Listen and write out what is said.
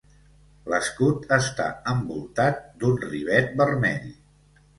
L'escut està envoltat d'un rivet vermell.